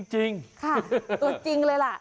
จริงตัวจริงเลยล่ะ